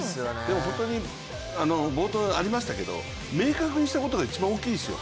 本当に冒頭、ありましたけど明確にしたことが一番大きいですよ。